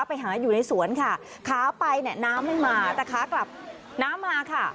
ไปหาอยู่ในสวนค่ะขาไปเนี่ยน้ำไม่มาแต่ขากลับน้ำมาค่ะ